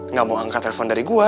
nggak mau angkat telepon dari gue